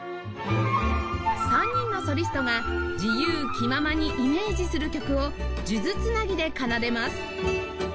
３人のソリストが自由気ままにイメージする曲を数珠繋ぎで奏でます